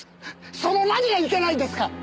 その何がいけないんですか？